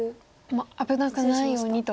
危なくないようにと。